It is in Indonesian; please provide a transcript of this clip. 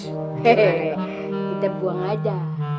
kita buang aja